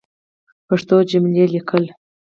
پښتو جملی لیکل